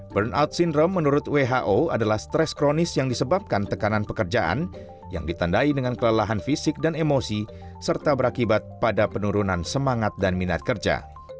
burnout syndrome menurut who adalah stres kronis yang disebabkan tekanan pekerjaan yang ditandai dengan kelelahan fisik dan emosi serta berakibat pada penurunan semangat dan minat kerja